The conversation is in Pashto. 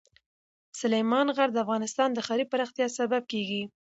سلیمان غر د افغانستان د ښاري پراختیا سبب کېږي.